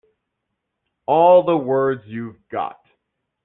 All the words you've got.